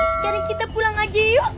sekarang kita pulang lagi yuk